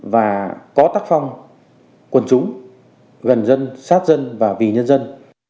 và có tắc phong quần trúng gần dân sát dân và vì nhân dân